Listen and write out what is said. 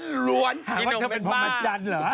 พี่นุ่มแม่งมากหาว่าจะเป็นพรหมัดจันหรือ